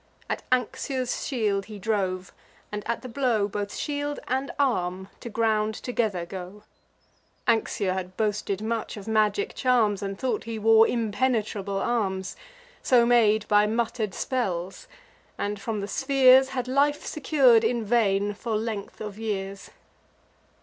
At Anxur's shield he drove; and, at the blow, Both shield and arm to ground together go. Anxur had boasted much of magic charms, And thought he wore impenetrable arms, So made by mutter'd spells; and, from the spheres, Had life secur'd, in vain, for length of years.